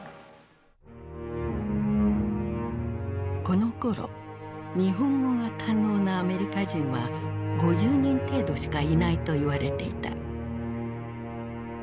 このころ日本語が堪能なアメリカ人は５０人程度しかいないと言われていた。